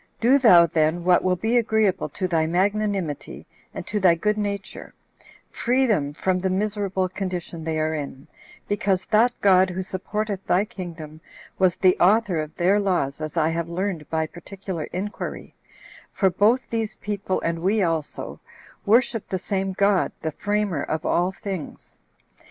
Do thou then what will be agreeable to thy magnanimity, and to thy good nature: free them from the miserable condition they are in, because that God, who supporteth thy kingdom, was the author of their laws as I have learned by particular inquiry; for both these people, and we also, worship the same God the framer of all things.